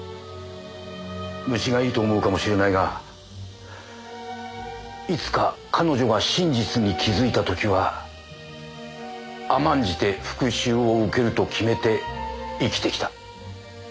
虫がいいと思うかもしれないがいつか彼女が真実に気づいた時は甘んじて復讐を受けると決めて生きてきた。